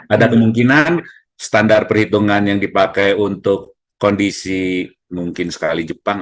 ada kemungkinan standar perhitungan yang dipakai untuk kondisi mungkin sekali jepang